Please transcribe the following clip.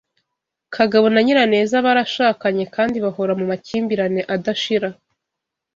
Kagabo na Nyiraneza barashakanye kandi bahora mu makimbirane adashira